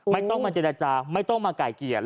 ไม่ต้องมาเจรจาไม่ต้องมาไก่เกลียด